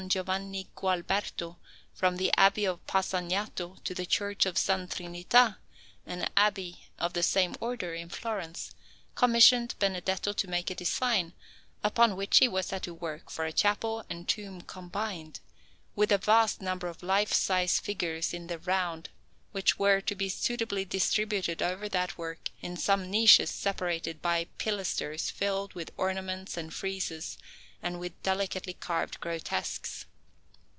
Giovanni Gualberto from the Abbey of Passignano to the Church of S. Trinità, an abbey of the same Order, in Florence, commissioned Benedetto to make a design, upon which he was to set to work, for a chapel and tomb combined, with a vast number of lifesize figures in the round, which were to be suitably distributed over that work in some niches separated by pilasters filled with ornaments and friezes and with delicately carved grotesques.